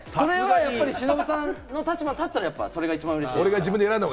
忍さんの立場で考えたら、それが一番うれしいでしょ？